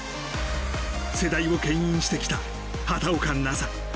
世代を牽引してきた畑岡奈紗。